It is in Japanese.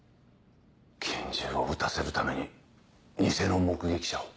拳銃を撃たせるために偽の目撃者を？